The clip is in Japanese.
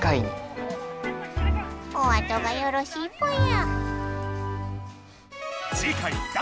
おあとがよろしいぽよ。